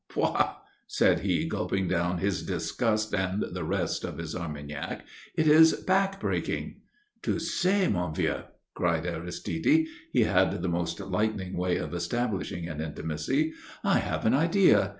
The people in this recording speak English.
Pouah!" said he, gulping down his disgust and the rest of his Armagnac, "it is back breaking." "Tu sais, mon vieux," cried Aristide he had the most lightning way of establishing an intimacy "I have an idea.